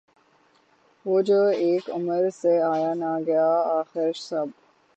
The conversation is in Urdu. وہ جو اک عمر سے آیا نہ گیا آخر شب